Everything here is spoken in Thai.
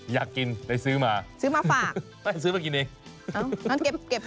อยากกินเลยซื้อมาซื้อมาฝากไม่ซื้อมากินเองเอ้าต้องเก็บเก็บไป